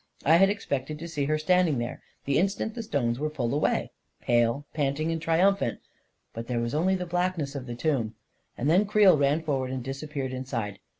I had expected to see her standing there, the in stant the stones were pulled away, pale, panting and triumphant — but there was only the blackness of the tomb; and then Creel ran forward and disap peared inside.